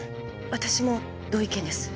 私も同意見です。